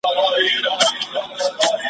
چي یې وکتل تر شا زوی یې کرار ځي `